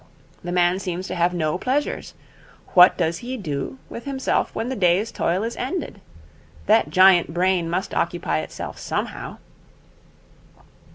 The man seems to have no pleasures. What does he do with himself when the day's toil is ended? That giant brain must occupy itself somehow.'